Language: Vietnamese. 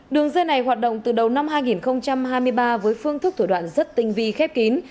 đường dây này hoạt động từ đầu năm hai nghìn hai mươi ba với phương thức thủ đoạn rất tinh vi khép kín